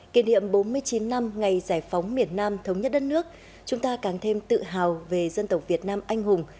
kỷ niệm bốn mươi chín năm ngày giải phóng miền nam thống nhất đất nước chúng ta càng thêm tự hào về dân tộc việt nam anh hùng